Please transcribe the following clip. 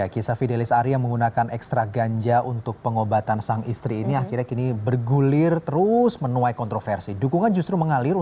kisah fidelis arya menggunakan ekstrak ganja untuk pengobatan sang istri ini akhirnya bergulir terus menuai kontroversi